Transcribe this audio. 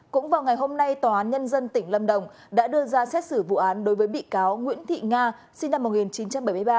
cũng vào ngày hôm nay tòa án nhân dân tỉnh lâm đồng đã đưa ra xét xử vụ án đối với bị cáo nguyễn thị nga sinh năm một nghìn chín trăm bảy mươi ba